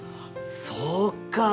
そうか。